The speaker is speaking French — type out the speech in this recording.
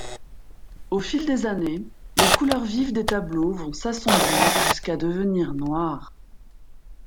Au fil des années, les couleurs vives des tableaux vont s'assombrir jusqu'à devenir noires.